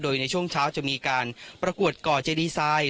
โดยในช่วงเช้าจะมีการประกวดก่อเจดีไซน์